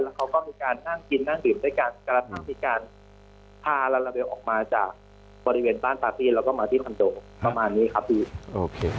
แล้วเขาก็มีการนั่งกินนั่งดื่มด้วยกันกระทั่งมีการพาลันลาเบลออกมาจากบริเวณบ้านตาฟีแล้วก็มาที่คันโด